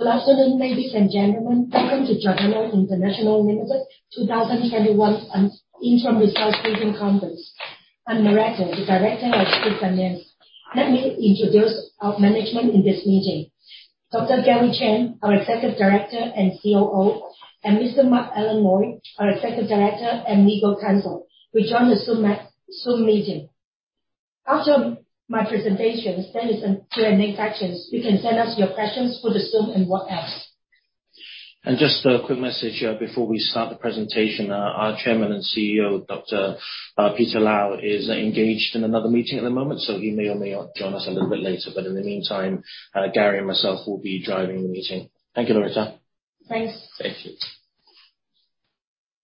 Good afternoon, ladies and gentlemen. Welcome to Giordano International Limited 2021 interim results briefing conference. I'm Loretta, the Director of Group Finance. Let me introduce our management in this meeting. Dr. Gary Chan, our Executive Director and COO, and Mr. Mark Alan Loynd, our Executive Director and Legal Counsel, will join the Zoom meeting. After my presentation, you can send us your questions through the Zoom and WhatsApp. Just a quick message before we start the presentation. Our Chairman and CEO, Dr Peter Lau, is engaged in another meeting at the moment, so he may or may not join us a little bit later. In the meantime, Gary and myself will be driving the meeting. Thank you, Loretta. Thanks. Thank you.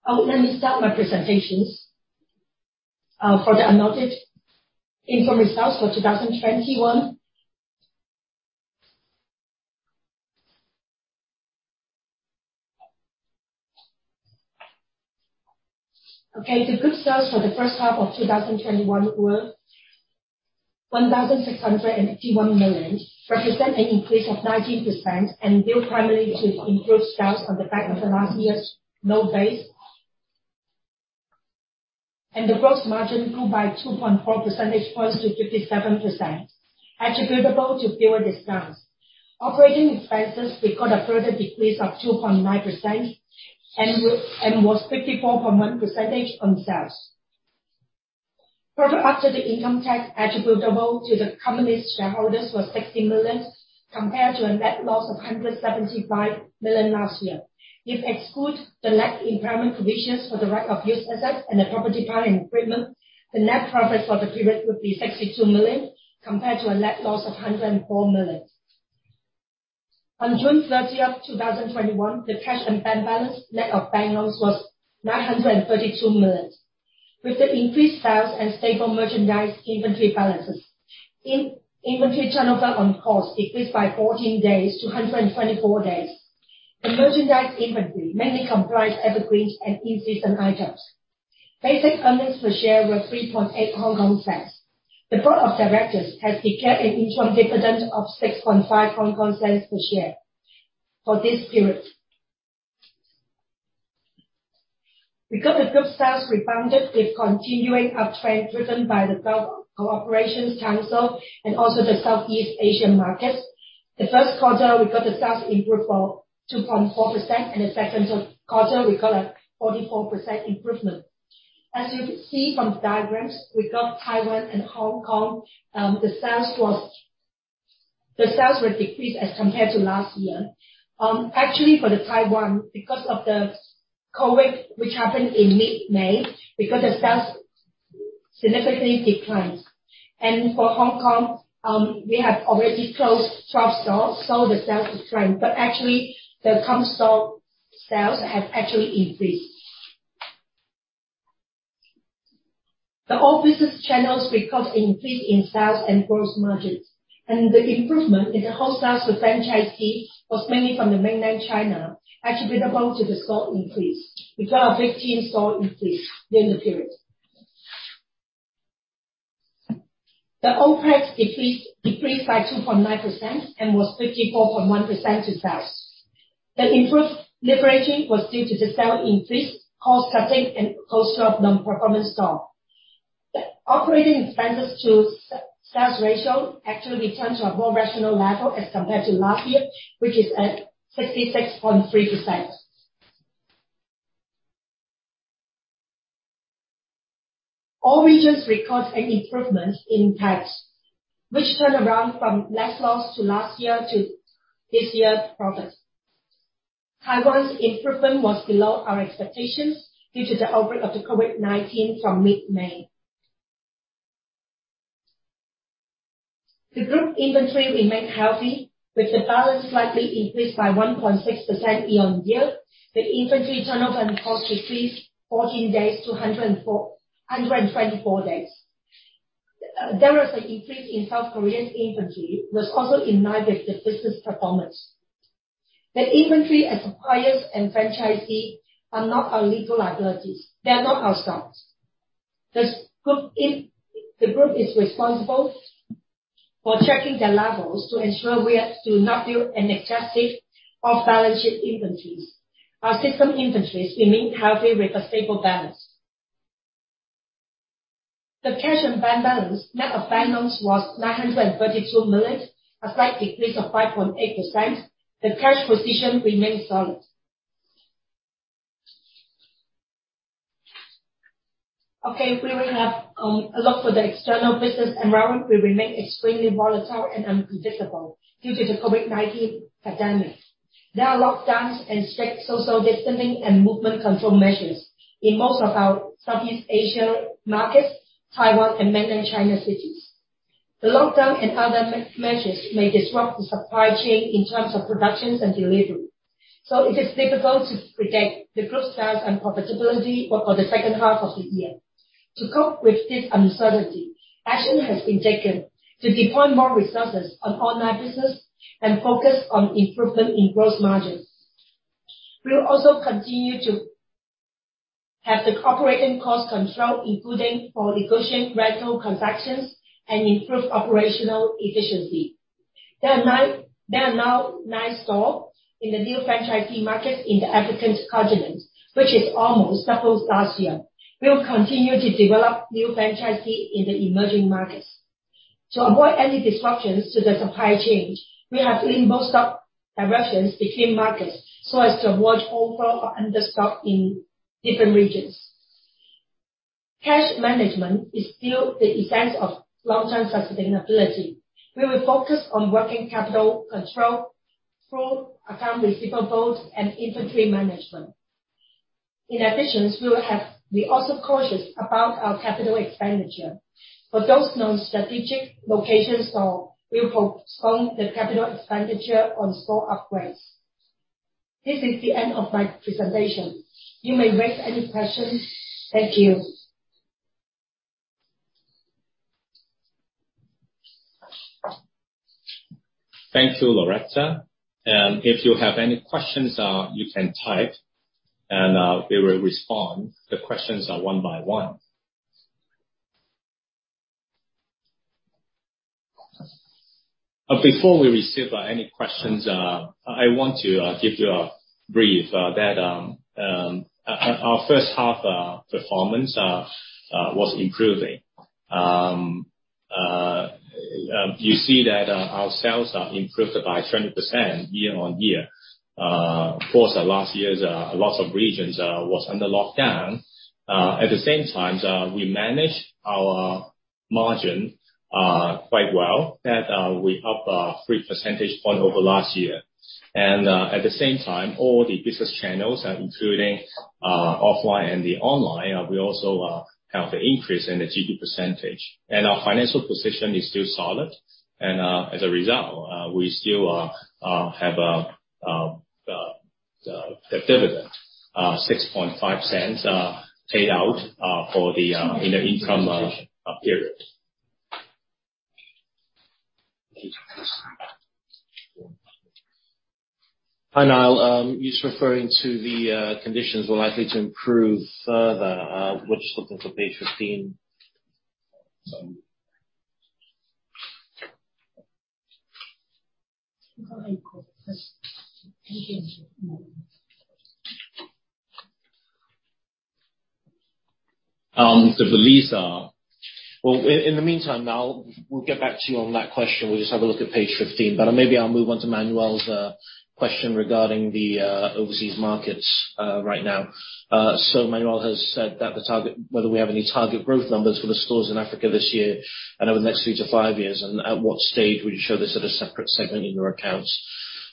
Let me start my presentations. For the unaudited interim results for 2021. The group sales for the first half of 2021 were 1,651 million, represent an increase of 19% due primarily to improved sales on the back of last year's low base. The gross margin grew by 2.4 percentage points to 57%, attributable to higher discounts. Operating expenses record a further decrease of 2.9% and was 54.1% on sales. Profit after the income tax attributable to the company's shareholders was 60 million, compared to a net loss of 175 million last year. If exclude the lease impairment provisions for the right of use assets and the property, plant and equipment, the net profit for the period would be 62 million, compared to a net loss of 104 million. On June 30th, 2021, the cash and bank balance, net of bank loans, was 932 million. With the increased sales and stable merchandise inventory balances, inventory turnover on cost decreased by 14 days to 124 days. The merchandise inventory mainly comprise evergreen and in-season items. Basic earnings per share were 0.038. The board of directors has declared an interim dividend of 0.065 per share for this period. The group sales rebounded with continuing uptrend driven by the Gulf Cooperation Council and also the Southeast Asian markets, the first quarter we got a sales improvement of 2.4%, and the second quarter we got a 44% improvement. As you see from the diagrams, we got Taiwan and Hong Kong. The sales were decreased as compared to last year. Actually, for Taiwan, because of the COVID, which happened in mid-May, sales significantly declined. For Hong Kong, we have already closed 12 stores, so the sales declined. Actually, the company store sales have actually increased. The all business channels record an increase in sales and gross margins, and the improvement in the wholesale to franchisee was mainly from mainland China, attributable to the store increase. We got a 15-store increase during the period. OPEX decreased by 2.9% and was 54.1% of sales. The improved profitability was due to the sales increase, cost cutting, and closure of non-performing stores. The operating expenses to sales ratio actually returned to a more rational level as compared to last year, which was at 66.3%. All regions recorded an improvement in PAT, which turned around from a net loss last year to this year's profit. Taiwan's improvement was below our expectations due to the outbreak of COVID-19 from mid-May. The group inventory remained healthy, with the balance slightly increased by 1.6% year-on-year. The inventory turnover cost decreased 14 days to 124 days. There was an increase in South Korean inventory, which also ignited the business performance. The inventory at suppliers and franchisees are not our legal liabilities. They are not our stocks. The group is responsible for checking their levels to ensure we do not build an excessive off-balance-sheet inventories. Our system inventories remain healthy with a stable balance. The cash and bank balance, net of bank loans, was 932 million, a slight decrease of 5.8%. The cash position remains solid. Okay. We will have a look for the external business environment will remain extremely volatile and unpredictable due to the COVID-19 pandemic. There are lockdowns and strict social distancing and movement control measures in most of our Southeast Asia markets, Taiwan and Mainland China cities. The lockdown and other measures may disrupt the supply chain in terms of productions and delivery. It is difficult to predict the group sales and profitability for the second half of the year. To cope with this uncertainty, action has been taken to deploy more resources on online business and focus on improvement in gross margins. We will also continue to have the operating cost control, including for negotiating rental concessions and improve operational efficiency. There are now nine stores in the new franchisee market in the African continent, which is almost double last year. We will continue to develop new franchisees in the emerging markets. To avoid any disruptions to the supply chain, we have reinforced stock directions between markets so as to avoid overall understock in different regions. Cash management is still the essence of long-term sustainability. We will focus on working capital control through accounts receivable and inventory management. In addition, we are also cautious about our capital expenditure. For those non-strategic location stores, we'll postpone the capital expenditure on store upgrades. This is the end of my presentation. You may raise any questions. Thank you. Thank you, Loretta. If you have any questions, you can type and we will respond the questions one-by-one. Before we receive any questions, I want to give you a brief that our first half performance was improving. You see that our sales are improved by 20% year-on-year. Of course, last year, lots of regions was under lockdown. At the same time, we managed our margin quite well, that we're up 3 percentage points over last year. At the same time, all the business channels, including offline and the online, we also have the increase in the GP percentage. Our financial position is still solid. As a result, we still have the dividend, 0.065 paid out in the income period. Hi, Niall. Just referring to the conditions were likely to improve further. We're just looking for page 15. The lease. In the meantime, Niall, we'll get back to you on that question. We'll just have a look at page 15, maybe I'll move on to Manuel's question regarding the overseas markets right now. Manuel has said that whether we have any target growth numbers for the stores in Africa this year and over the next three to five years, and at what stage would you show this at a separate segment in your accounts?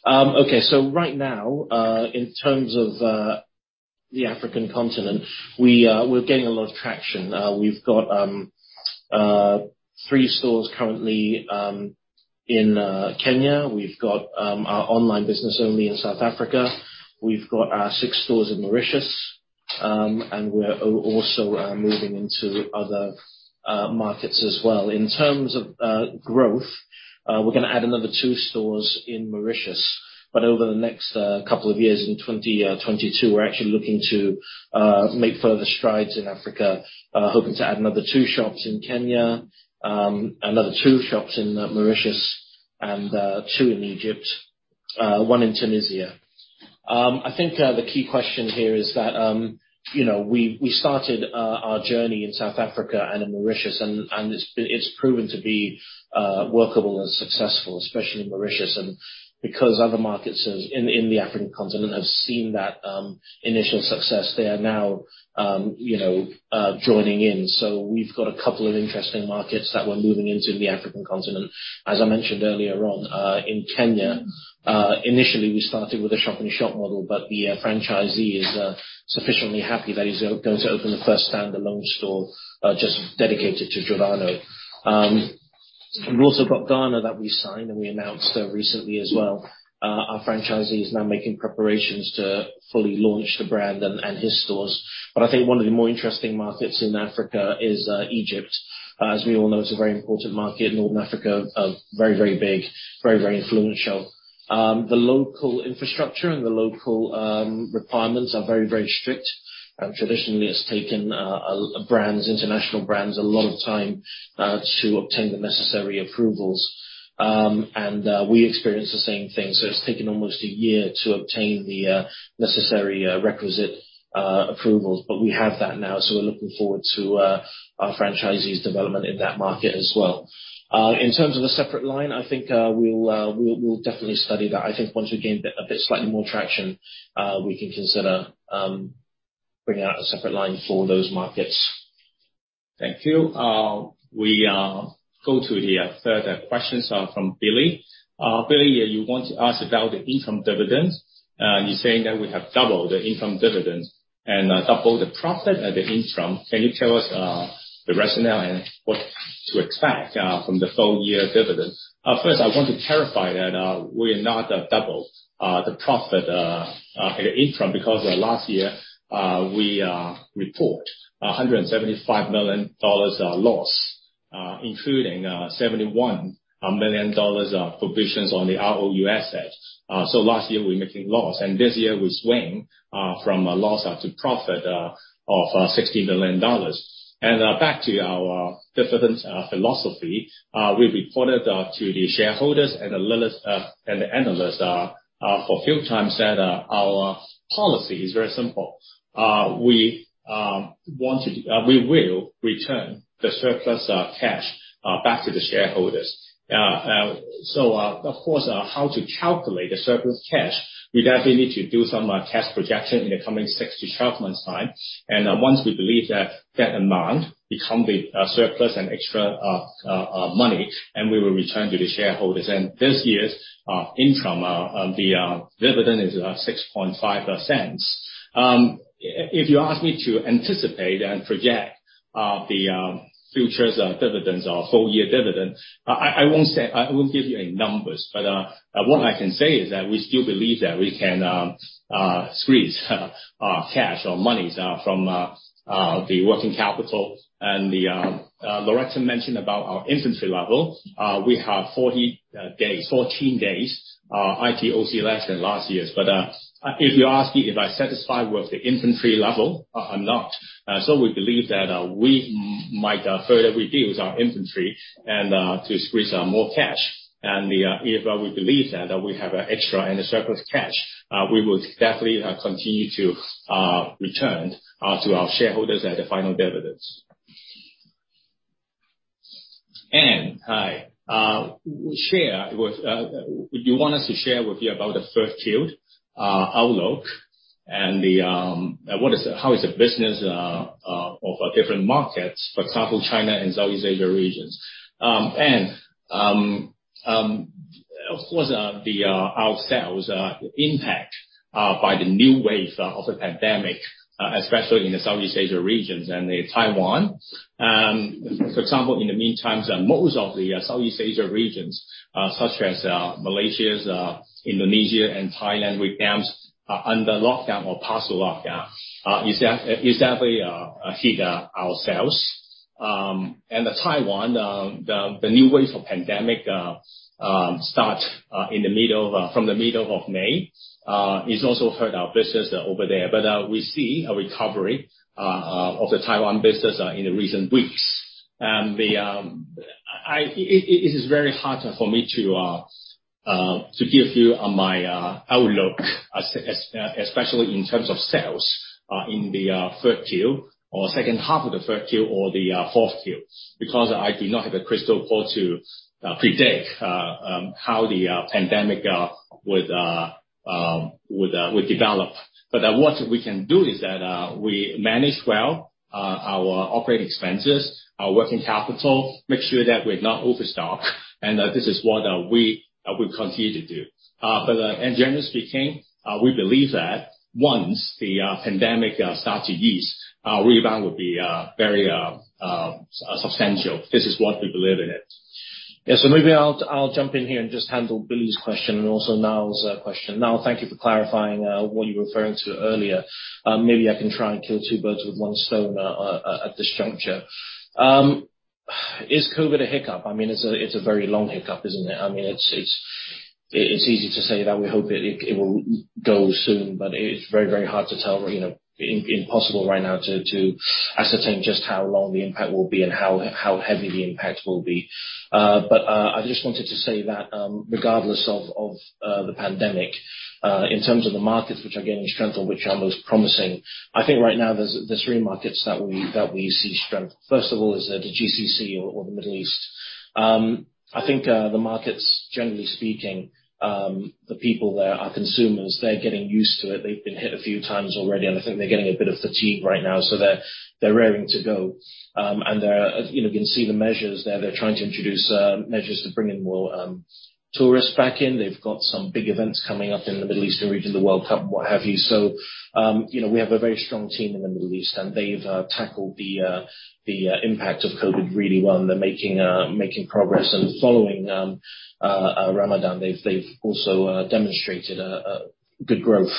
Okay. Right now, in terms of the African continent, we're getting a lot of traction. We've got three stores currently in Kenya. We've got our online business only in South Africa. We've got six stores in Mauritius, we're also moving into other markets as well. In terms of growth, we're going to add another two stores in Mauritius. Over the next two years, in 2022, we're actually looking to make further strides in Africa, hoping to add another two shops in Kenya, another two shops in Mauritius, and two in Egypt, one in Tunisia. I think the key question here is that we started our journey in South Africa and in Mauritius, and it's proven to be workable and successful, especially in Mauritius. Because other markets in the African continent have seen that initial success, they are now joining in. We've got two interesting markets that we're moving into in the African continent. As I mentioned earlier on, in Kenya, initially we started with a shop-in-a-shop model, but the franchisee is sufficiently happy that he's going to open the first standalone store just dedicated to Giordano. We've also got Ghana that we signed and we announced recently as well. Our franchisee is now making preparations to fully launch the brand and his stores. I think one of the more interesting markets in Africa is Egypt. As we all know, it's a very important market in Northern Africa. Very, very big, very, very influential. The local infrastructure and the local requirements are very, very strict. Traditionally, it's taken international brands a long time to obtain the necessary approvals, and we experienced the same thing, so it's taken almost a year to obtain the necessary requisite approvals. We have that now, so we're looking forward to our franchisee's development in that market as well. In terms of a separate line, I think we'll definitely study that. I think once we gain a bit slightly more traction, we can consider bringing out a separate line for those markets. Thank you. We go to the further questions from Billy. Billy, you want to ask about the income dividends. You're saying that we have doubled the income dividends and doubled the profit at the interim. Can you tell us the rationale and what to expect from the full year dividends? First, I want to clarify that we have not doubled the profit at the interim because last year we report 175 million dollars loss, including 71 million dollars of provisions on the ROU asset. Last year we're making loss, and this year we swing from a loss to profit of 60 million dollars. Back to our dividends philosophy, we reported to the shareholders and the analysts a few times that our policy is very simple. We will return the surplus cash back to the shareholders. Of course, how to calculate the surplus cash, we definitely need to do some cash projection in the coming 6-12 months' time. Once we believe that that amount become surplus and extra money, and we will return to the shareholders. This year's interim, the dividend is 0.065. If you ask me to anticipate and project the future dividends or full year dividend, I won't give you any numbers. What I can say is that we still believe that we can squeeze cash or monies from the working capital. Loretta mentioned about our inventory level. We have 14 days IT or less than last year. But if you ask me if I satisfied with the inventory level, I'm not. We believe that we might further reduce our inventory and to squeeze more cash. If we believe that we have extra and a surplus cash, we would definitely continue to return to our shareholders at the final dividends. Hi. You want us to share with you about the third quarter outlook and how is the business of different markets. For example, China and Southeast Asia regions. Of course, ourselves impact by the new wave of the pandemic, especially in the Southeast Asia regions and the Taiwan. For example, in the meantime, most of the Southeast Asia regions, such as Malaysia, Indonesia, and Thailand, were under lockdown or partial lockdown. It definitely hit our sales. Taiwan, the new wave of pandemic start from the middle of May, it also hurt our business over there. We see a recovery of the Taiwan business in the recent weeks. It is very hard for me to give you my outlook, especially in terms of sales in the third Q or second half of the third Q or the fourth Q, because I do not have a crystal ball to predict how the pandemic would develop. What we can do is that we manage well our operating expenses, our working capital, make sure that we're not overstocked, and this is what we will continue to do. In general speaking, we believe that once the pandemic start to ease, our rebound would be very substantial. This is what we believe in it. Yeah. Maybe I'll jump in here and just handle Billy's question and also Niall's question. Niall, thank you for clarifying what you were referring to earlier. Maybe I can try and kill two birds with one stone at this juncture. Is COVID a hiccup? I mean, it's a very long hiccup, isn't it? I mean, it's easy to say that we hope it will go soon, but it's very hard to tell. Impossible right now to ascertain just how long the impact will be and how heavy the impact will be. I just wanted to say that, regardless of the pandemic, in terms of the markets which are gaining strength or which are most promising, I think right now there's three markets that we see strength. First of all is the GCC or the Middle East. I think the markets, generally speaking, the people there are consumers. They're getting used to it. They've been hit a few times already, and I think they're getting a bit of fatigue right now. They're raring to go. You can see the measures there. They're trying to introduce measures to bring in more tourists back in. They've got some big events coming up in the Middle Eastern region, the World Cup, what have you. We have a very strong team in the Middle East and they've tackled the impact of COVID really well, and they're making progress. Following Ramadan, they've also demonstrated a good growth.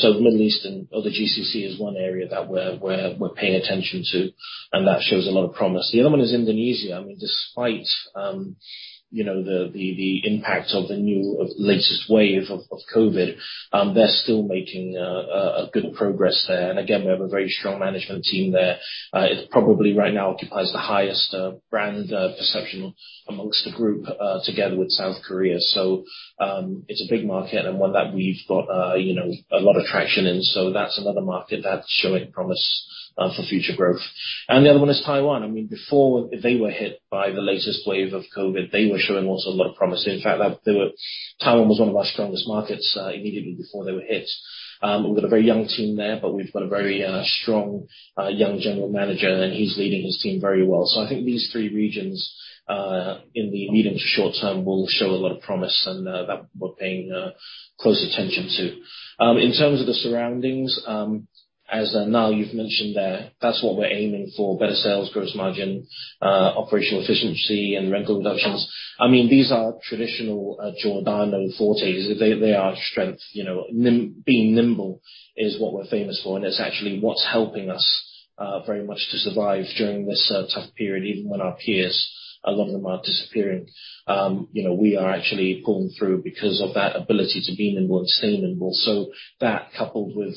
The Middle East and other GCC is one area that we're paying attention to, and that shows a lot of promise. The other one is Indonesia. I mean, despite the impact of the latest wave of COVID, they're still making a good progress there. Again, we have a very strong management team there. It probably right now occupies the highest brand perception amongst the group, together with South Korea. It's a big market and one that we've got a lot of traction in. That's another market that's showing promise for future growth. The other one is Taiwan. I mean, before they were hit by the latest wave of COVID, they were showing also a lot of promise. In fact, Taiwan was one of our strongest markets immediately before they were hit. We've got a very young team there, but we've got a very strong young general manager, and he's leading his team very well. I think these three regions, in the medium to short term, will show a lot of promise and that we're paying close attention to. In terms of the surroundings, as Niall you've mentioned there, that's what we're aiming for. Better sales, gross margin, operational efficiency and rental reductions. I mean, these are traditional Giordano fortes. They are strength. Being nimble is what we're famous for, and it's actually what's helping us, very much to survive during this tough period, even when our peers, a lot of them are disappearing. We are actually pulling through because of that ability to be nimble and stay nimble. That, coupled with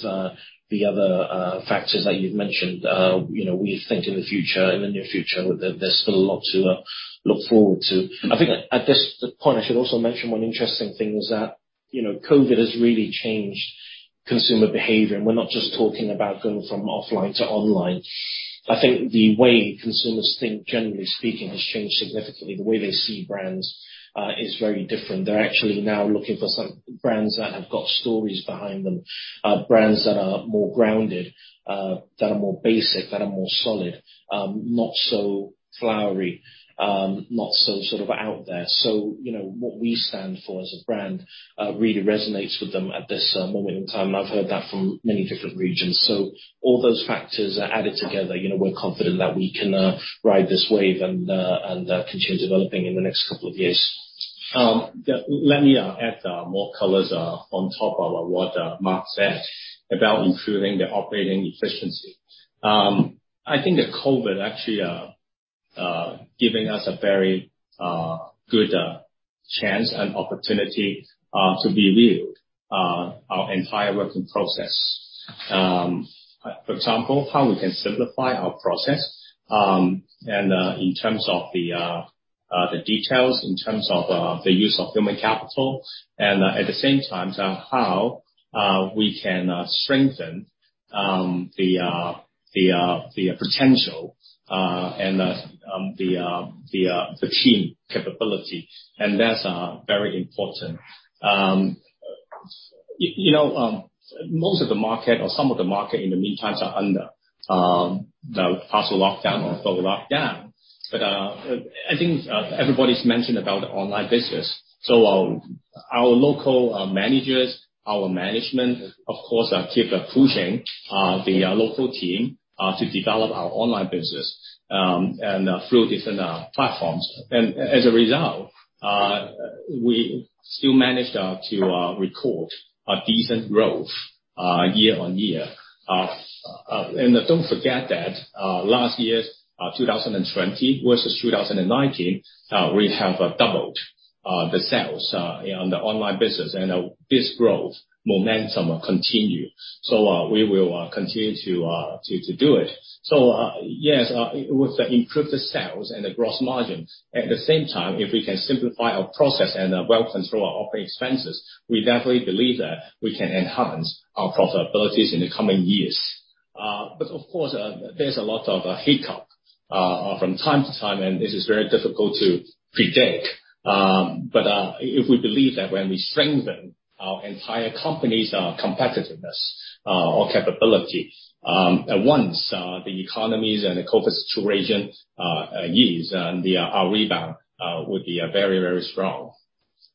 the other factors that you've mentioned, we think in the near future, there's still a lot to look forward to. I think at this point, I should also mention one interesting thing was that COVID has really changed consumer behavior, and we're not just talking about going from offline to online. I think the way consumers think, generally speaking, has changed significantly. The way they see brands is very different. They're actually now looking for some brands that have got stories behind them, brands that are more grounded, that are more basic, that are more solid. Not so flowery, not so out there. What we stand for as a brand really resonates with them at this moment in time, and I've heard that from many different regions. All those factors are added together. We're confident that we can ride this wave and continue developing in the next couple of years. Let me add more colors on top of what Mark said about improving the operating efficiency. I think that COVID actually giving us a very good chance and opportunity to review our entire working process. For example, how we can simplify our process, in terms of the details, in terms of the use of human capital. At the same time, how we can strengthen the potential and the team capability. That's very important. Most of the market, or some of the market in the meantime are under the partial lockdown or full lockdown. I think everybody's mentioned about the online business. Our local managers, our management, of course, keep pushing the local team to develop our online business through different platforms. As a result, we still managed to record a decent growth year-on-year. Don't forget that last year, 2020 versus 2019, we have doubled the sales on the online business. This growth momentum continued. We will continue to do it. Yes, with the improved sales and the gross margins, at the same time, if we can simplify our process and well control our operating expenses, we definitely believe that we can enhance our profitability in the coming years. Of course, there's a lot of hiccup from time to time, and this is very difficult to predict. If we believe that when we strengthen our entire company's competitiveness or capabilities, once the economies and the COVID situation ease, our rebound will be very, very strong.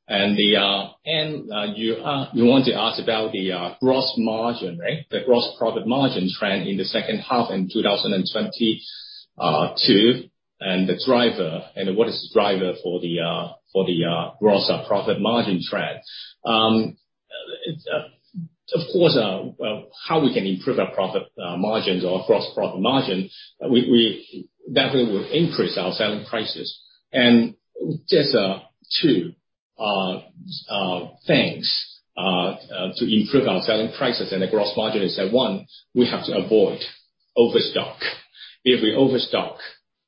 You want to ask about the gross margin, right? The gross profit margin trend in the second half in 2022, and what is the driver for the gross profit margin trend. Of course, how we can improve our profit margins or gross profit margin, that will increase our selling prices. Just two things to improve our selling prices and the gross margin is at one, we have to avoid overstock. If we overstock,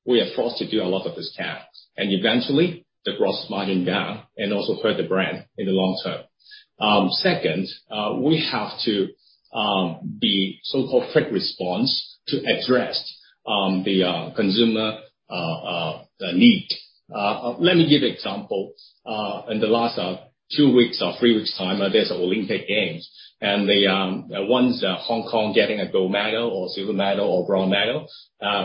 we are forced to do a lot of discounts, and eventually the gross margin down, and also hurt the brand in the long term. Second, we have to be so-called quick response to address the consumer need. Let me give example. In the last two weeks or three weeks time, there's Olympic Games. Once Hong Kong getting a gold medal or silver medal or bronze medal,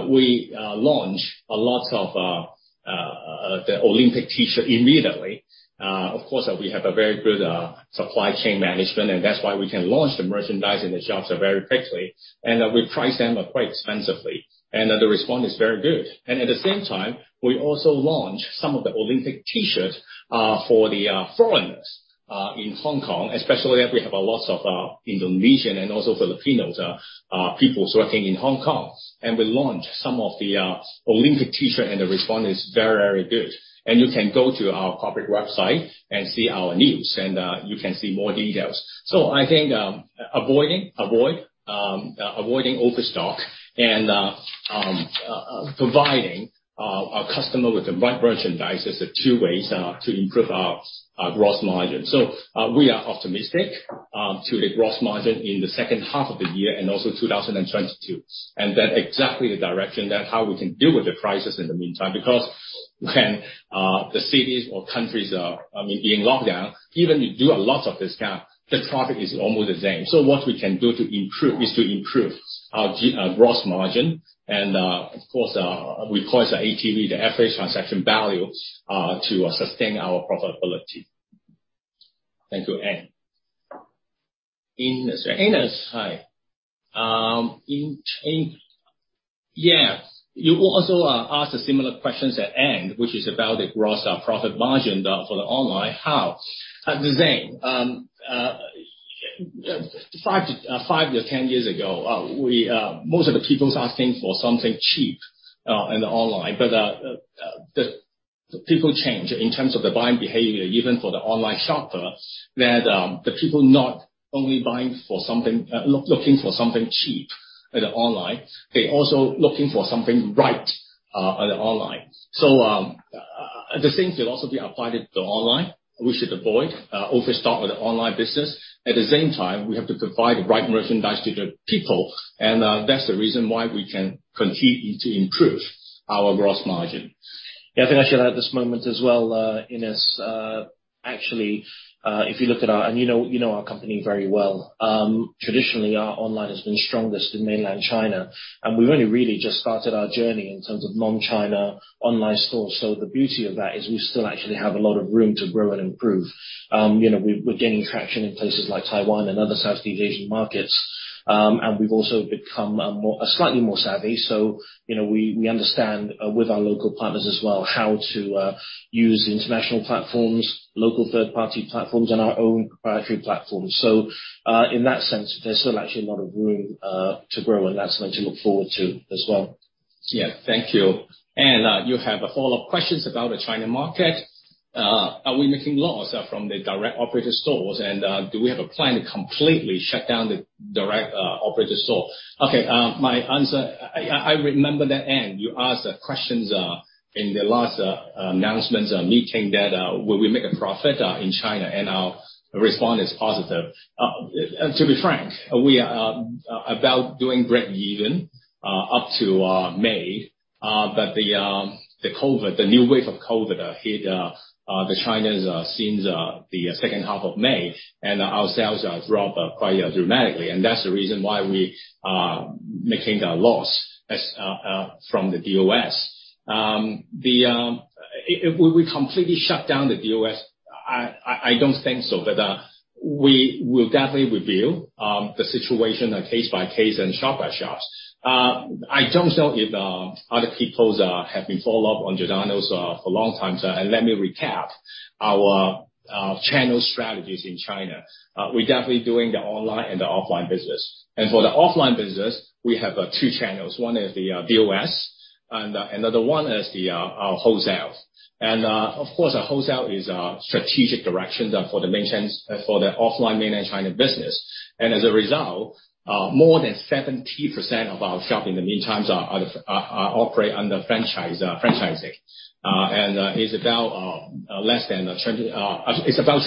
we launch a lot of the Olympic T-shirt immediately. Of course, we have a very good supply chain management, and that's why we can launch the merchandise in the shops very quickly. We price them quite expensively, and the response is very good. At the same time, we also launch some of the Olympic T-shirts for the foreigners in Hong Kong, especially as we have a lot of Indonesian and also Filipinos peoples working in Hong Kong. We launch some of the Olympic T-shirt and the response is very, very good. You can go to our corporate website and see our news, and you can see more details. I think avoiding overstock and providing our customer with the right merchandise is the two ways to improve our gross margin. We are optimistic to the gross margin in the second half of the year and also 2022. That exactly the direction that how we can deal with the crisis in the meantime, because when the cities or countries are in lockdown, even you do a lot of discount, the profit is almost the same. What we can do to improve is to improve our gross margin and, of course, we call it the ATV, the average transaction value, to sustain our profitability. Thank you, Anne. Ines. Ines, hi. You also ask a similar question as Anne, which is about the gross profit margin for the online, how? The same. 5-10 years ago, most of the people's asking for something cheap and online. The people change in terms of the buying behavior, even for the online shopper, that the people not only looking for something cheap online, they also looking for something right online. The same should also be applied to online. We should avoid overstock with the online business. At the same time, we have to provide the right merchandise to the people. That's the reason why we can continue to improve our gross margin. Yeah. I think I should add this moment as well, Ines. Actually, you know our company very well. Traditionally, our online has been strongest in mainland China, and we've only really just started our journey in terms of non-China online stores. The beauty of that is we still actually have a lot of room to grow and improve. We're gaining traction in places like Taiwan and other Southeast Asian markets. We've also become slightly more savvy. We understand, with our local partners as well, how to use international platforms, local third-party platforms, and our own proprietary platforms. In that sense, there's still actually a lot of room to grow, and that's something to look forward to as well. Thank you. Anne, you have follow-up questions about the China market. Are we making loss from the direct operator stores? Do we have a plan to completely shut down the direct operator store? Okay. I remember that, Anne, you asked questions in the last announcements meeting that will we make a profit in China, and our respond is positive. To be frank, we are about doing break even up to May. The new wave of COVID hit the China since the second half of May, and our sales drop quite dramatically, and that's the reason why we are making a loss from the DOS. Will we completely shut down the DOS? I don't think so, but we will definitely review the situation case by case and shop by shop. I don't know if other people have been follow up on Giordano's for a long time. Let me recap our channel strategies in China. We're definitely doing the online and the offline business. For the offline business, we have two channels. One is the DOS, and another one is the wholesale. Of course, our wholesale is strategic direction for the offline mainland China business. As a result, more than 70% of our shop in the meantime operate under franchising. It's about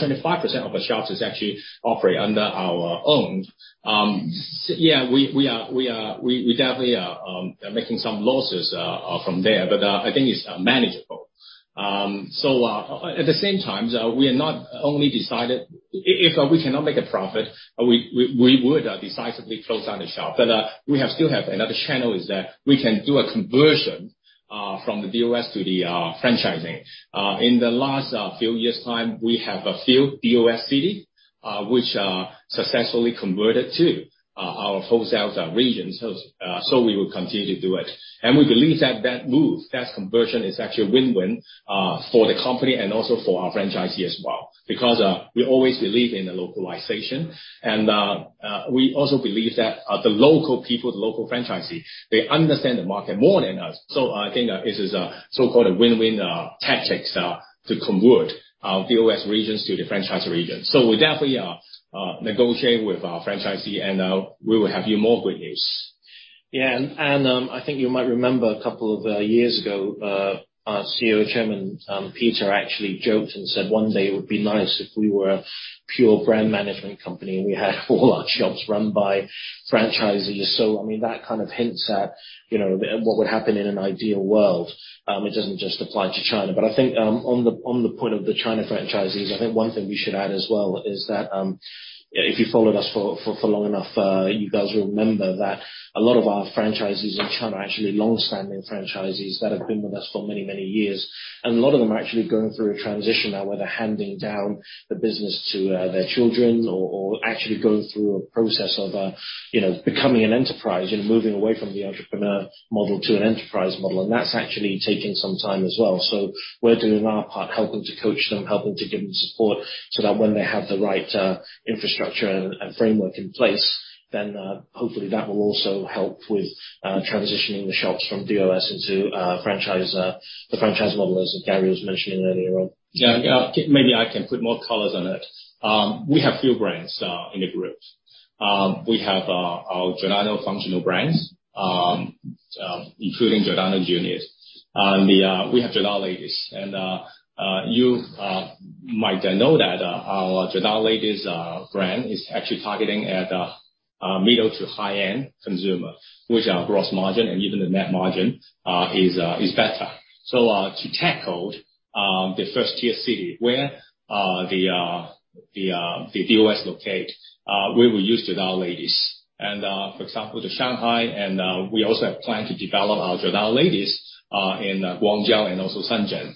25% of the shops is actually operate under our own. Yeah, we definitely are making some losses from there, but I think it's manageable. At the same time, if we cannot make a profit, we would decisively close down the shop. We still have another channel, is that we can do a conversion from the DOS to the franchising. In the last few years' time, we have a few DOS city, which successfully converted to our wholesale regions. We will continue to do it. We believe that move, that conversion, is actually a win-win for the company and also for our franchisee as well. Because we always believe in the localization, and we also believe that the local people, the local franchisee, they understand the market more than us. I think this is a so-called a win-win tactics to convert our DOS regions to the franchise region. We definitely are negotiating with our franchisee, and we will have you more good news. Yeah. I think you might remember a couple of years ago, our CEO Chairman Peter actually joked and said one day it would be nice if we were a pure brand management company, and we had all our shops run by franchisees. That kind of hints at what would happen in an ideal world. It doesn't just apply to China. I think on the point of the China franchisees, I think one thing we should add as well is that if you followed us for long enough, you guys remember that a lot of our franchises in China are actually longstanding franchisees that have been with us for many, many years. A lot of them are actually going through a transition now, whether handing down the business to their children or actually going through a process of becoming an enterprise. Moving away from the entrepreneur model to an enterprise model. That's actually taking some time as well. We're doing our part, helping to coach them, helping to give them support so that when they have the right infrastructure and framework in place, hopefully that will also help with transitioning the shops from DOS into the franchise model, as Gary was mentioning earlier on. Yeah. Maybe I can put more colors on it. We have few brands in the group. We have our Giordano functional brands, including Giordano Junior. We have Giordano Ladies. You might know that our Giordano Ladies brand is actually targeting at middle to high-end consumer, which our gross margin and even the net margin is better. To tackle the first tier city where the DOS locate, we will use Giordano Ladies. For example, the Shanghai, and we also have plan to develop our Giordano Ladies in Guangzhou and also Shenzhen.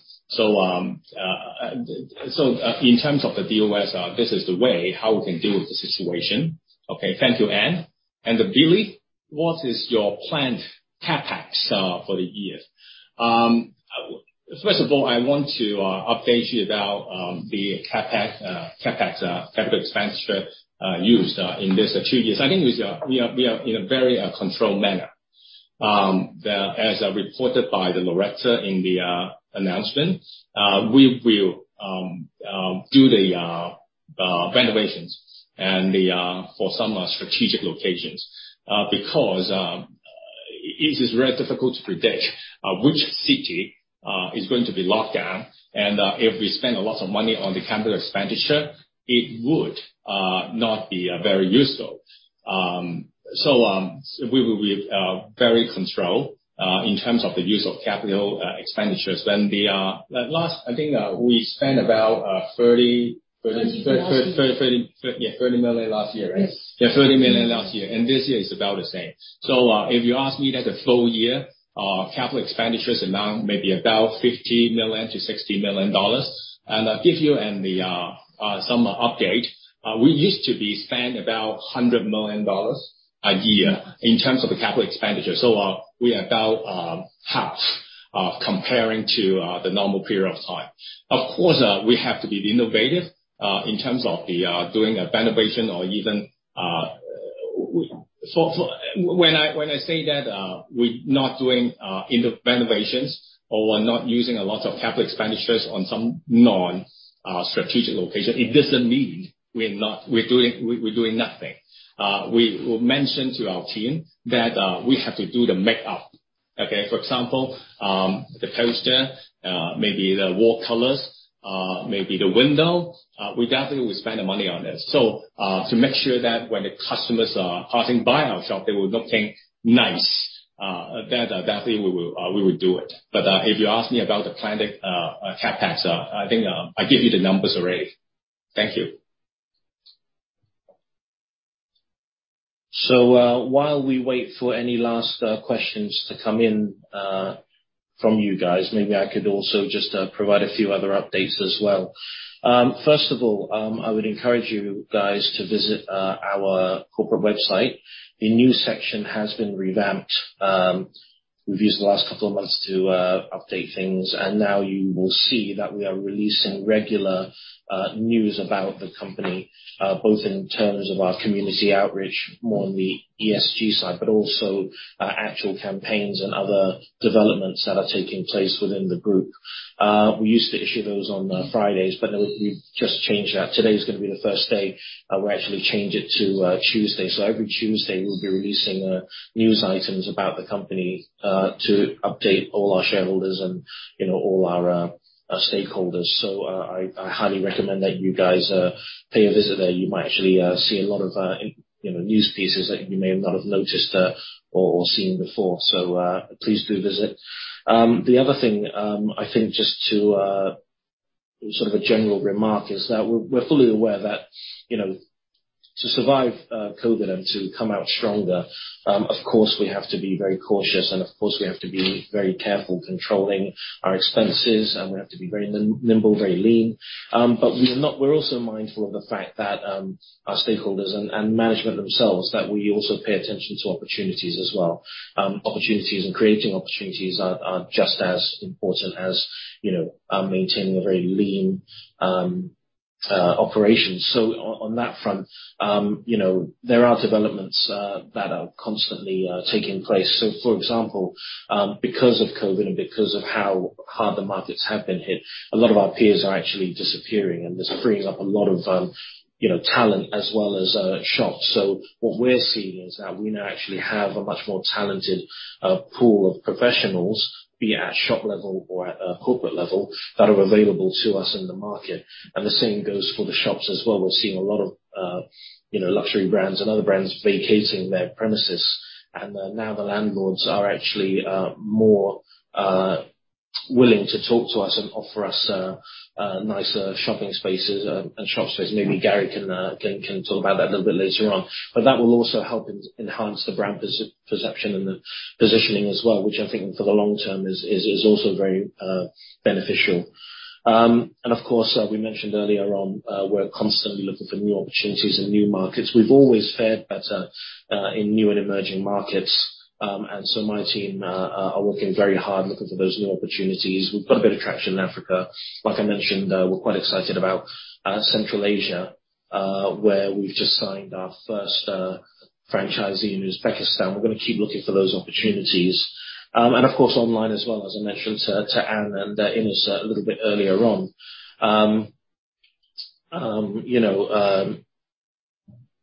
In terms of the DOS, this is the way how we can deal with the situation. Okay. Thank you, Anne. Billy, what is your planned CapEx for the year? First of all, I want to update you about the CapEx, capital expenditure used in this two years. I think we are in a very controlled manner. As reported by Loretta in the announcement, we will do the renovations for some strategic locations. It is very difficult to predict which city is going to be locked down, and if we spend a lot of money on the capital expenditure, it would not be very useful. We will be very controlled in terms of the use of capital expenditures. Last, I think we spent about. 30 million last year. Yeah, 30 million last year, right? Yes. Yeah, 30 million last year. This year is about the same. If you ask me that the full year capital expenditures amount may be about 50 million-60 million dollars. I'll give you some update. We used to be spend about 100 million dollars a year in terms of the capital expenditure. We are about half of comparing to the normal period of time. Of course, we have to be innovative in terms of doing a renovation or even- so when I say that we're not doing renovations or we're not using a lot of capital expenditures on some non-strategic location, it doesn't mean we're doing nothing. We mentioned to our team that we have to do the make up. Okay? For example, the poster, maybe the wall colors, maybe the window. We definitely will spend the money on this. To make sure that when the customers are passing by our shop, they will think, "Nice." That definitely we would do it. If you ask me about the planned CapEx, I think I give you the numbers already. Thank you. While we wait for any last questions to come in from you guys, maybe I could also just provide a few other updates as well. First of all, I would encourage you guys to visit our corporate website. The news section has been revamped. We've used the last couple of months to update things, and now you will see that we are releasing regular news about the company, both in terms of our community outreach, more on the ESG side, but also actual campaigns and other developments that are taking place within the group. We used to issue those on Fridays, but we've just changed that. Today's gonna be the first day we actually change it to Tuesday. Every Tuesday, we'll be releasing news items about the company, to update all our shareholders and all our stakeholders. I highly recommend that you guys pay a visit there. You might actually see a lot of news pieces that you may not have noticed or seen before. Please do visit. The other thing, I think just to sort of a general remark, is that we're fully aware that to survive COVID and to come out stronger, of course, we have to be very cautious, and of course, we have to be very careful controlling our expenses, and we have to be very nimble, very lean. We're also mindful of the fact that our stakeholders and management themselves, that we also pay attention to opportunities as well. Opportunities and creating opportunities are just as important as maintaining a very lean operation. On that front, there are developments that are constantly taking place. For example, because of COVID and because of how hard the markets have been hit, a lot of our peers are actually disappearing, and this frees up a lot of talent as well as shops. What we're seeing is that we now actually have a much more talented pool of professionals, be it at shop level or at a corporate level, that are available to us in the market. The same goes for the shops as well. We're seeing a lot of luxury brands and other brands vacating their premises, and now the landlords are actually more willing to talk to us and offer us nicer shopping spaces and shop space. Maybe Gary can talk about that a little bit later on. That will also help enhance the brand perception and the positioning as well, which I think for the long term is also very beneficial. Of course, we mentioned earlier on, we're constantly looking for new opportunities and new markets. We've always fared better in new and emerging markets. My team are working very hard looking for those new opportunities. We've got a bit of traction in Africa. Like I mentioned, we're quite excited about Central Asia, where we've just signed our first franchisee in Uzbekistan. We're gonna keep looking for those opportunities. Of course, online as well, as I mentioned to Anne and Ines a little bit earlier on.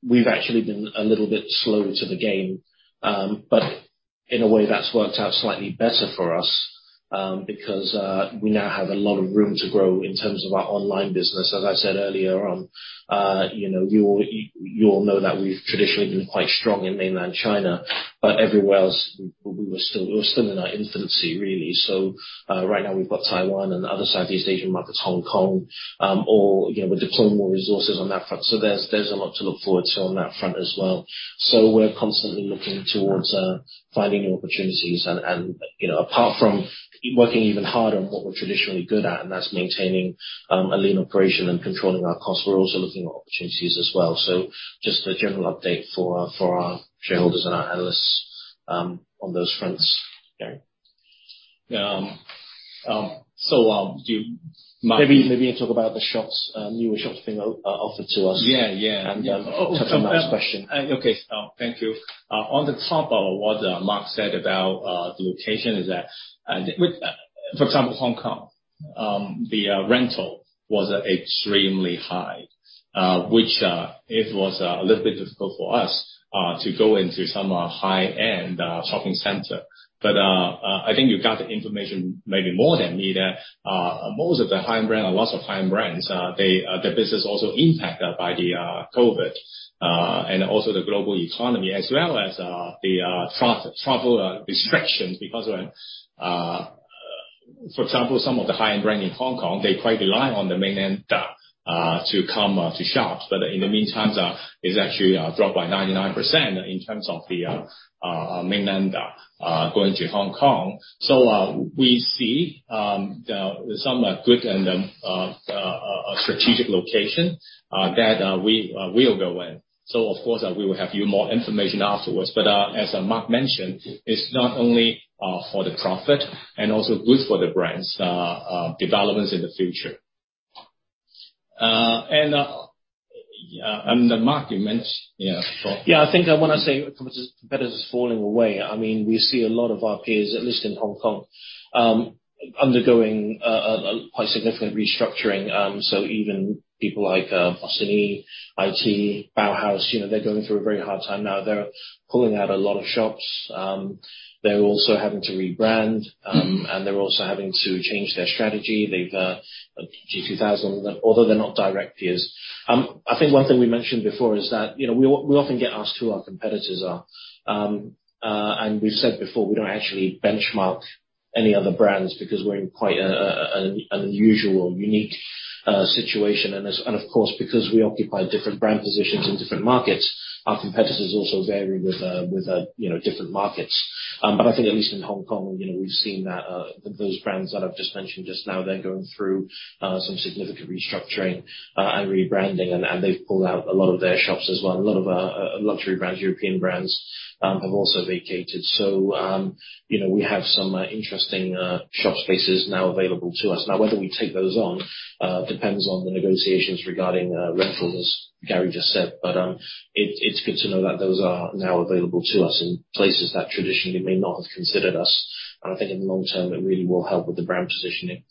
We've actually been a little bit slow to the game. In a way that's worked out slightly better for us, because we now have a lot of room to grow in terms of our online business. As I said earlier on, you all know that we've traditionally been quite strong in mainland China, but everywhere else, we're still in our infancy really. Right now we've got Taiwan and other Southeast Asian markets, Hong Kong, or we're deploying more resources on that front. There's a lot to look forward to on that front as well. We're constantly looking towards finding new opportunities and apart from working even harder on what we're traditionally good at, and that's maintaining a lean operation and controlling our costs, we're also looking at opportunities as well. Just a general update for our shareholders and our analysts on those fronts. Gary? Mark. Maybe you talk about the newer shops being offered to us. Yeah. Touch on that question. Okay. Thank you. On top of what Mark said about the location is that, for example, Hong Kong, the rental was extremely high, which it was a little bit difficult for us to go into some high-end shopping center. I think you got the information maybe more than me, that most of the high-end brand or lots of high-end brands, their business also impacted by COVID-19, and also the global economy, as well as the travel restrictions because of, for example, some of the high-end brand in Hong Kong, they quite rely on the mainland to come to shops. In the meantime, it actually dropped by 99% in terms of the mainland going to Hong Kong. We see some good and strategic location that we will go in. Of course, we will have you more information afterwards. As Mark mentioned, it's not only for the profit and also good for the brands' developments in the future. Mark, you mentioned- Yeah, go on. Yeah, I think I want to say competitors falling away. We see a lot of our peers, at least in Hong Kong, undergoing a quite significant restructuring. Even people like bossini, I.T, Bauhaus they're going through a very hard time now. They're pulling out a lot of shops. They're also having to rebrand, and they're also having to change their strategy. They've G2000, although they're not direct peers. I think one thing we mentioned before is that, we often get asked who our competitors are. We've said before, we don't actually benchmark any other brands because we're in quite an unusual, unique situation. Of course, because we occupy different brand positions in different markets, our competitors also vary with different markets. I think at least in Hong Kong, we've seen that those brands that I've just mentioned just now, they're going through some significant restructuring and rebranding, and they've pulled out a lot of their shops as well. A lot of luxury brands, European brands, have also vacated. We have some interesting shop spaces now available to us. Whether we take those on depends on the negotiations regarding rentals, as Gary Chan just said. It's good to know that those are now available to us in places that traditionally may not have considered us. I think in the long term, it really will help with the brand positioning.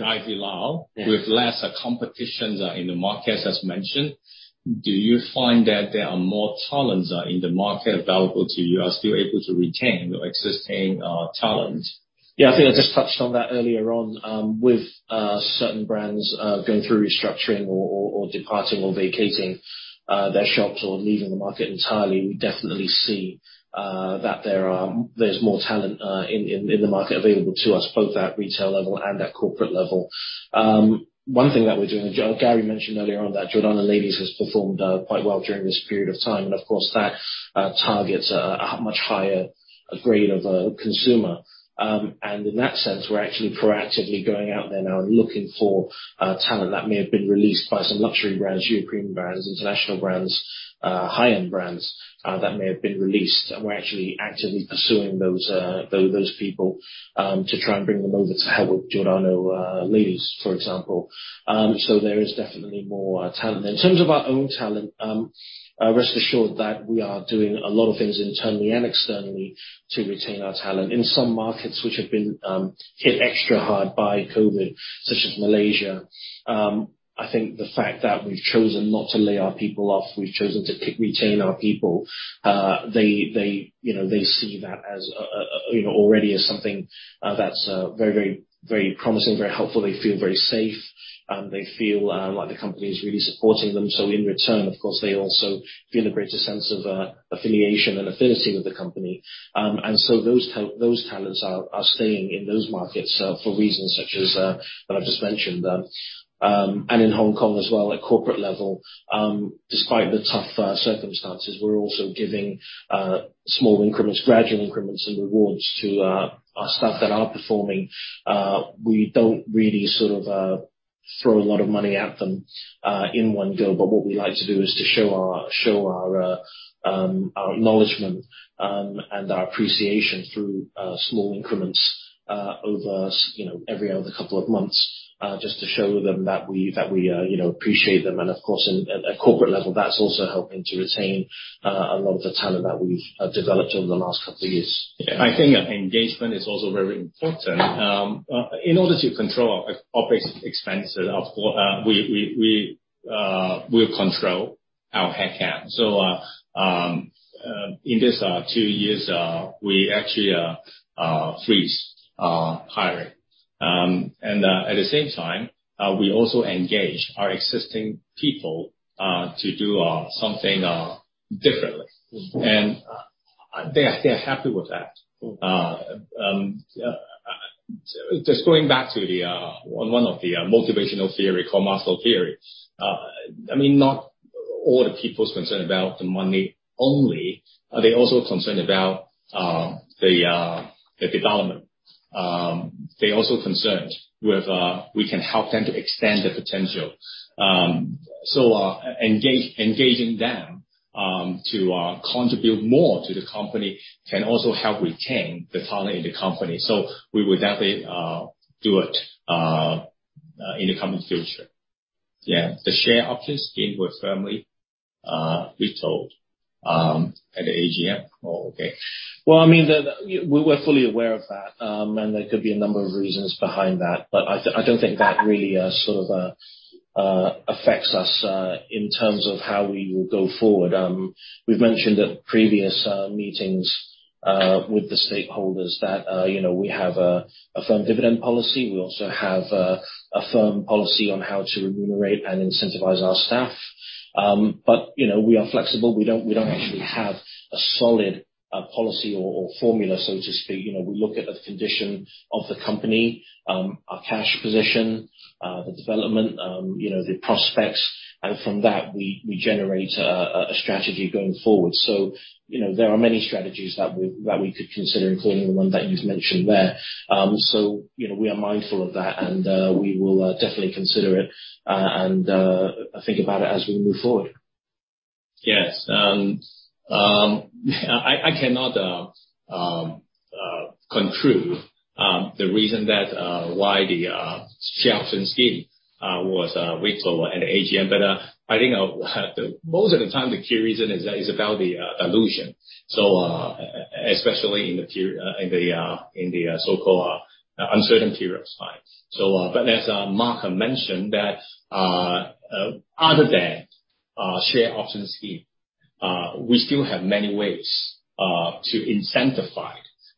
Ivy Lau. Yeah. With less competitions in the markets as mentioned, do you find that there are more talents in the market available to you, or are still able to retain your existing talent? I think I just touched on that earlier on. With certain brands going through restructuring or departing or vacating their shops or leaving the market entirely, we definitely see that there's more talent in the market available to us, both at retail level and at corporate level. One thing that we're doing, Gary mentioned earlier on that Giordano Ladies has performed quite well during this period of time. Of course, that targets a much higher grade of a consumer. In that sense, we're actually proactively going out there now and looking for talent that may have been released by some luxury brands, European brands, international brands, high-end brands, that may have been released. We're actually actively pursuing those people, to try and bring them over to help with Giordano Ladies, for example. There is definitely more talent. In terms of our own talent, rest assured that we are doing a lot of things internally and externally to retain our talent. In some markets which have been hit extra hard by COVID, such as Malaysia, I think the fact that we've chosen not to lay our people off, we've chosen to retain our people. They see that already as something that's very promising, very helpful. They feel very safe, and they feel like the company is really supporting them. In return, of course, they also feel a greater sense of affiliation and affinity with the company. Those talents are staying in those markets for reasons such as that I've just mentioned. In Hong Kong as well at corporate level, despite the tough circumstances, we're also giving small increments, gradual increments and rewards to our staff that are performing. We don't really sort of throw a lot of money at them in one go. What we like to do is to show our acknowledgment and our appreciation through small increments over every other couple of months, just to show them that we appreciate them. Of course, at a corporate level, that's also helping to retain a lot of the talent that we've developed over the last couple of years. Yeah. I think engagement is also very important. In order to control our basic expenses, we will control our headcount. In this two years, we actually freeze hiring. At the same time, we also engage our existing people to do something differently. They are happy with that. Just going back to one of the motivational theory called Maslow theory. Not all the people's concern about the money only. They're also concerned about the development. They're also concerned with we can help them to extend their potential. Engaging them to contribute more to the company can also help retain the talent in the company. We will definitely do it in the coming future. The share option scheme was firmly vetoed at the AGM. We're fully aware of that, and there could be a number of reasons behind that. I don't think that really sort of affects us in terms of how we will go forward. We've mentioned at previous meetings with the stakeholders that we have a firm dividend policy. We also have a firm policy on how to remunerate and incentivize our staff. We are flexible. We don't actually have a solid policy or formula, so to speak. We look at the condition of the company, our cash position, the development, the prospects, and from that, we generate a strategy going forward. There are many strategies that we could consider, including the one that you've mentioned there. We are mindful of that and we will definitely consider it and think about it as we move forward. Yes. I cannot contrive the reason that why the share option scheme was vetoed at AGM. I think most of the time, the key reason is about the dilution, especially in the so-called uncertainty risk time. As Mark mentioned that other than share option scheme, we still have many ways to incentivize,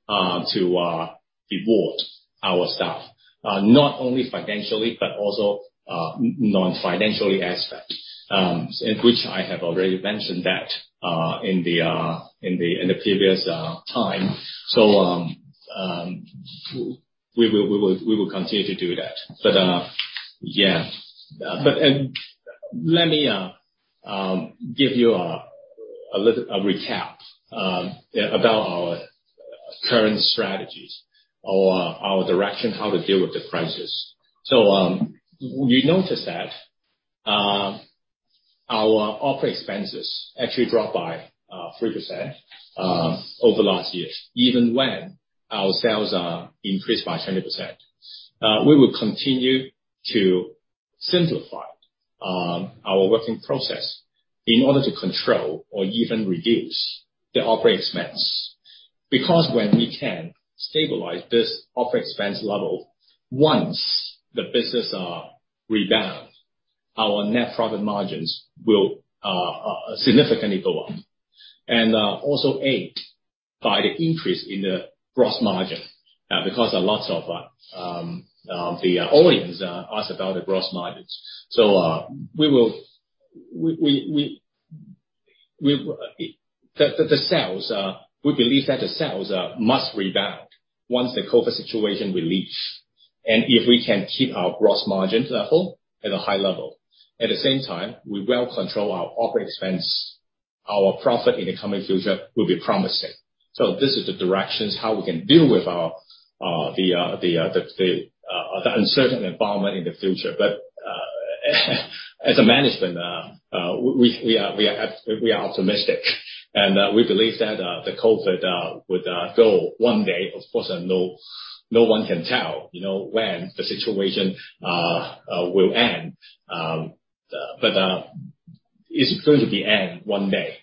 to reward our staff, not only financially, but also non-financially aspect, and which I have already mentioned that in the previous time. We will continue to do that. Yeah. Let me give you a recap about our current strategies or our direction, how to deal with the crisis. You notice that our Op expenses actually dropped by 3% over last year, even when our sales are increased by 20%. We will continue to simplify our working process in order to control or even reduce the operating expense. When we can stabilize this Op expense level, once the business rebounds, our net profit margins will significantly go up, and also aid by the increase in the gross margin. A lot of the audience ask about the gross margins. We believe that the sales must rebound once the COVID situation relieves. If we can keep our gross margins level at a high level, at the same time, we will control our OPEX, our profit in the coming future will be promising. This is the directions how we can deal with the uncertain environment in the future. As a management, we are optimistic, and we believe that the COVID would go one day. Of course, no one can tell when the situation will end. It's going to be end one day.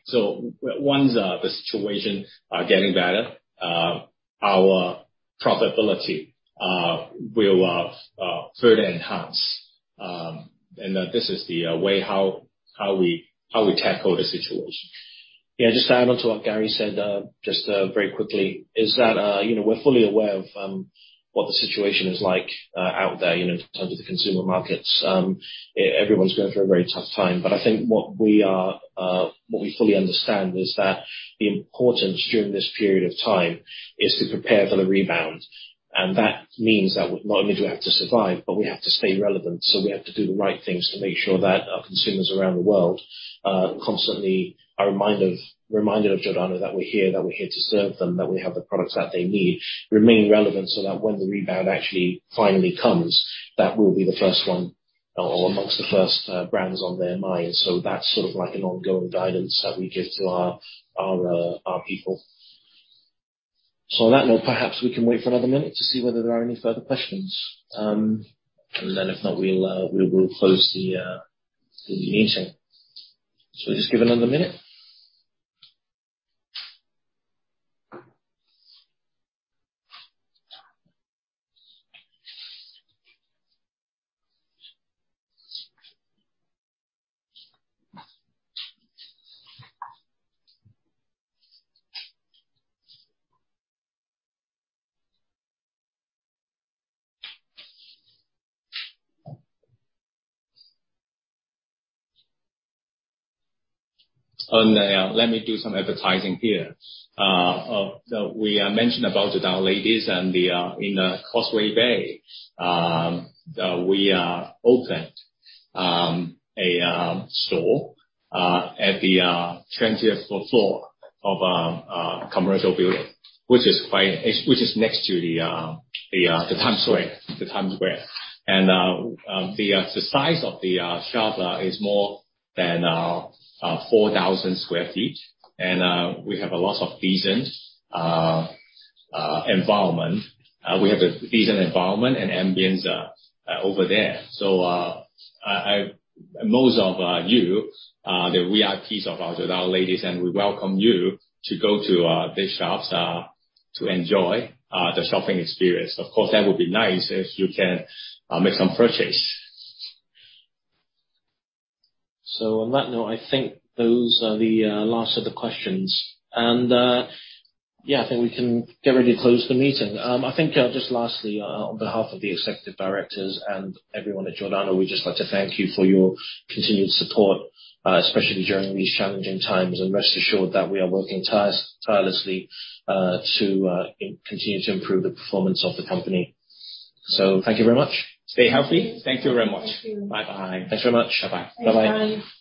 Once the situation getting better, our profitability will further enhance. This is the way how we tackle the situation. Yeah. Just to add on to what Gary said, just very quickly, is that we're fully aware of what the situation is like out there in terms of the consumer markets. Everyone's going through a very tough time. I think what we fully understand is that the importance during this period of time is to prepare for the rebound. That means that not only do we have to survive, but we have to stay relevant, so we have to do the right things to make sure that our consumers around the world constantly are reminded of Giordano, that we're here, that we're here to serve them, that we have the products that they need. Remain relevant so that when the rebound actually finally comes, that we'll be the first one or amongst the first brands on their mind. That's sort of like an ongoing guidance that we give to our people. On that note, perhaps we can wait for another minute to see whether there are any further questions. If not, we will close the meeting. Just give another minute. Let me do some advertising here. We mentioned about Giordano Ladies in the Causeway Bay. We opened a store at the 20th floor of a commercial building, which is next to the. Times Square. Times Square. The size of the shop is more than 4,000 sq ft. We have a lot of decent environment. We have a decent environment and ambience over there. Most of you are the VIPs of our Giordano Ladies, and we welcome you to go to the shops to enjoy the shopping experience. Of course, that would be nice if you can make some purchase. On that note, I think those are the last of the questions. Yeah, I think we can get ready to close the meeting. I think just lastly, on behalf of the executive directors and everyone at Giordano, we'd just like to thank you for your continued support, especially during these challenging times. Rest assured that we are working tirelessly to continue to improve the performance of the company. Thank you very much. Stay healthy. Thank you very much. Thank you. Bye-bye. Thanks very much. Bye-bye. Bye-bye. Thanks, guys.